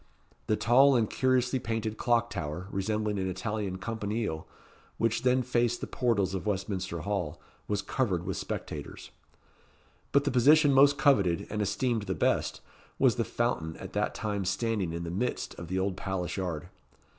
The tall and curiously painted clock tower, resembling an Italian campanile, which then faced the portals of Westminster Hall, was covered with spectators. But the position most coveted, and esteemed the best, was the fountain at that time standing in the midst of the old palace yard.